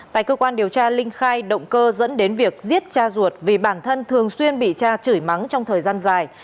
tại cơ quan điều tra linh khai động cơ dẫn đến việc giết cha ruột vì bản thân thường xuyên bị cha chửi mắng trong thời gian dài